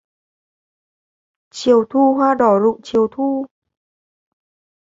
Chiều thu hoa đỏ rụng chiều thu